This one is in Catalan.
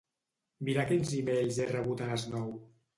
Mira quins emails he rebut a les nou.